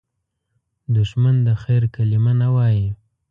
دښمن د خیر کلمه نه وايي